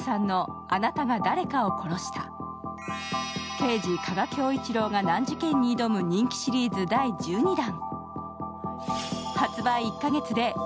刑事・加賀恭一郎が難事件に挑む人気シリーズ第１２弾。